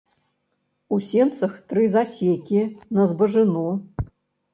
У сенцах тры засекі на збажыну.